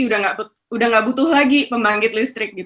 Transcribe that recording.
sudah tidak butuh lagi pembangkit listrik